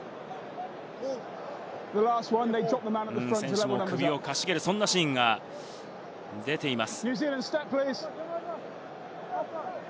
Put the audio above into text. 選手も首をかしげる、そんなシーンが出ています。